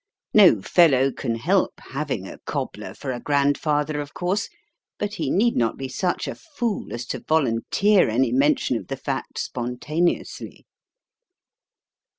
No fellow can help having a cobbler for a grandfather, of course: but he need not be such a fool as to volunteer any mention of the fact spontaneously.